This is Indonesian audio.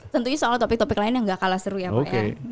tentunya soal topik topik lain yang gak kalah seru ya pak ya